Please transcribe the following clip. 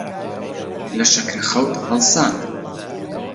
لە شەکرەخەوت هەڵساند.